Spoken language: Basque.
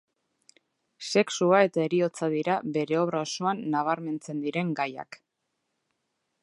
Sexua eta heriotza dira bere obra osoan nabarmentzen diren gaiak.